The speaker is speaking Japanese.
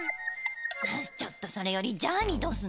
ちょっとそれよりジャーニーどうすんの？